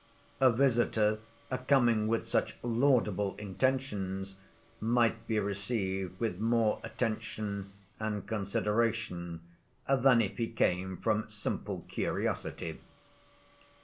A visitor coming with such laudable intentions might be received with more attention and consideration than if he came from simple curiosity.